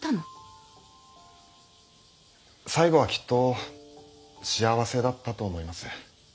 最後はきっと幸せだったと思います。